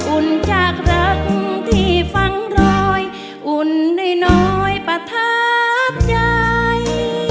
อุ่นจากรักที่ฟังรอยอุ่นน้อยประทับใจ